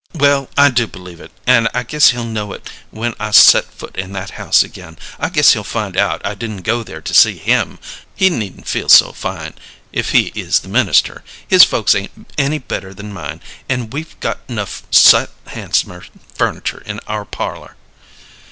"Well, I do believe it, and I guess he'll know it when I set foot in that house again. I guess he'll find out I didn't go there to see him! He needn't feel so fine, if he is the minister; his folks ain't any better than mine, an' we've got 'nough sight handsomer furniture in our parlor."